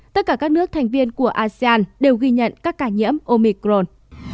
tất cả các nước thành viên của asean đều ghi nhận các ca nhiễm omicron